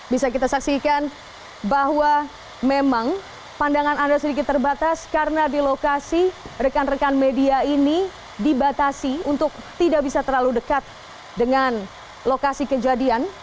bisa kita saksikan bahwa memang pandangan anda sedikit terbatas karena di lokasi rekan rekan media ini dibatasi untuk tidak bisa terlalu dekat dengan lokasi kejadian